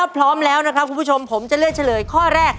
พร้อมค่ะ